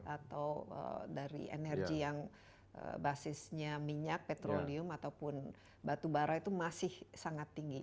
atau dari energi yang basisnya minyak petrolium ataupun batu bara itu masih sangat tinggi